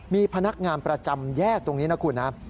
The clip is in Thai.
มีพนักงานประจำแยกตรงนี้นะคุณนะ